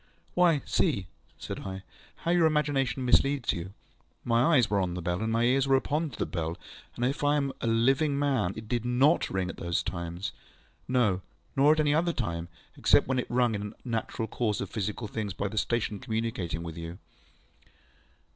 ŌĆØ ŌĆ£Why, see, ŌĆØ said I, ŌĆ£how your imagination misleads you. My eyes were on the bell, and my ears were open to the bell, and if I am a living man, it did NOT ring at those times. No, nor at any other time, except when it was rung in the natural course of physical things by the station communicating with you.